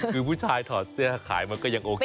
คือผู้ชายถอดเสื้อขายมันก็ยังโอเค